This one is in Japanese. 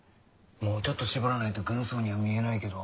もうちょっと絞らないと軍曹には見えないけど。